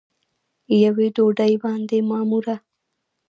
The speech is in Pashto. یوې ډوډۍ باندې معموره